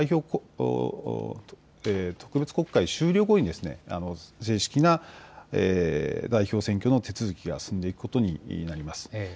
特別国会終了後に正式な代表選挙の手続きが進んでいくことになります。